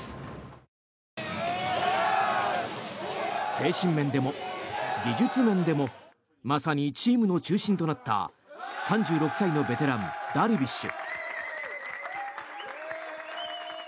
精神面でも技術面でもまさにチームの中心となった３６歳のベテランダルビッシュ。